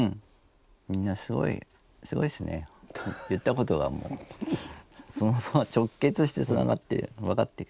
言ったことがもうそのままちょっけつしてつながってわかってる。